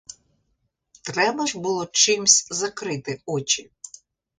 Треба ж було чимсь закрити очі.